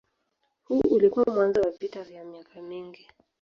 Huu ulikuwa mwanzo wa vita vya miaka mingi.